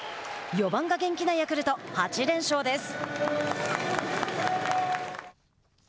４番が元気なヤクルト８連勝です。